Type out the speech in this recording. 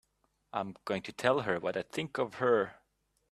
I'm going to tell her what I think of her!